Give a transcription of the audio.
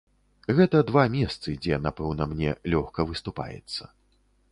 Гэта два месцы, дзе, напэўна, мне лёгка выступаецца.